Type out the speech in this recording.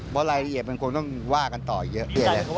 เพราะรายละเอียดมันคงต้องว่ากันต่อเยอะแยะเลย